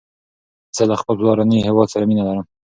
زه له خپل پلارنی هیواد سره مینه لرم